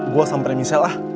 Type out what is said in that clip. gua sampe di misel lah